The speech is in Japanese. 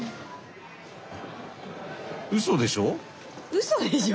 うそでしょ？